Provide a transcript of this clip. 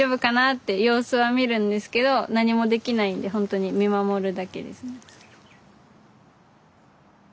って様子は見るんですけど何もできないんでほんとに見守るだけですね。